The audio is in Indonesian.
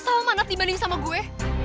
salma dibanding sama gue